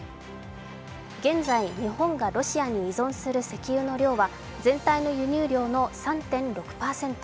現在、日本がロシアに依存する石油の量は全体の輸入量の３．６％。